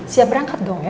siap berangkat dong ya